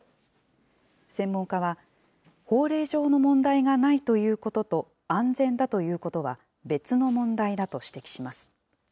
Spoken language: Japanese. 専門家は、法令上の問題がないということと安全だということは別の問題だと指摘します。